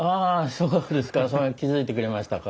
そうですかそれに気付いてくれましたか。